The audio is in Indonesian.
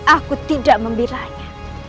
aku tidak membelanya